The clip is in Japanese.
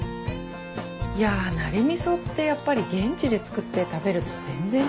いやナリ味噌ってやっぱり現地で作って食べると全然違う。